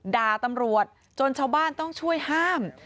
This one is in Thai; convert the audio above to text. ด่าตำรวจจนชาวบ้านต้องช่วยห้าม